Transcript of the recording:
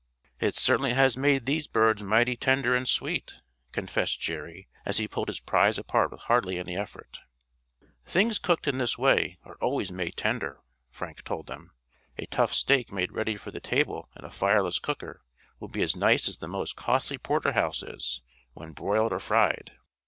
"It certainly has made these birds mighty tender and sweet," confessed Jerry, as he pulled his prize apart with hardly any effort. "Things cooked in this way are always made tender," Frank told them. "A tough steak made ready for the table in a fireless cooker will be as nice as the most costly porterhouse is when broiled or fried.